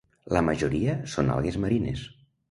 La majoria són algues marines.